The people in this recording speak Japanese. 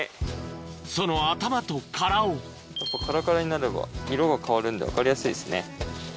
その頭と殻をカラカラになれば色が変わるんで分かりやすいですね。